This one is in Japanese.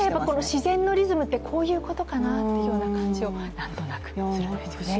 自然のリズムってこういうことかなという感じが何となくするんですよね。